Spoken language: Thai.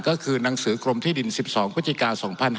ก็คือหนังสือกรมที่ดิน๑๒พฤศจิกา๒๕๕๙